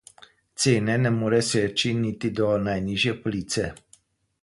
Cene ne more seči niti do najnižje police.